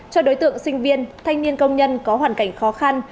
cho đối tượng sinh viên thanh niên công nhân có hoàn cảnh khó khăn